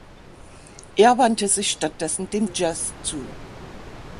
Er wandte sich stattdessen dem Jazz zu.